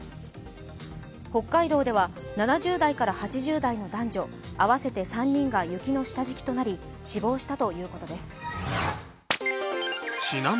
北海道では７０代から８０代の男女合わせて３人が雪の下敷きとなり死亡したということです。